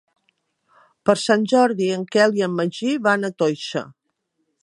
Per Sant Jordi en Quel i en Magí van a Toixa.